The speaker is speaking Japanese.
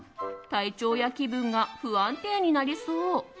体調や気分が不安定になりそう。